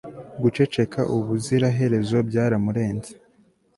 Guceceka ubuziraherezo byaramurenze